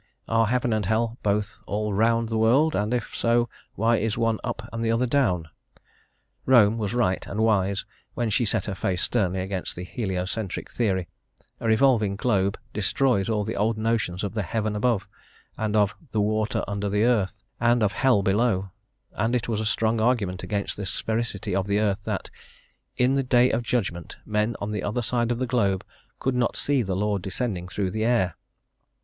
Are heaven and hell both all round the world, and if so, why is one "up" and the other "down"? Rome was right and wise when she set her face sternly against the heliocentric theory; a revolving globe destroys all the old notions of the "heaven above," and of "the water under the earth," and of hell below; and it was a strong argument against the sphericity of the earth that "in the day of judgment, men on the other side of the globe could not see the Lord descending through the air."